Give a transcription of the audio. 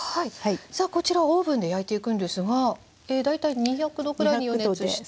さあこちらオーブンで焼いていくんですが大体２００℃ぐらいに予熱して。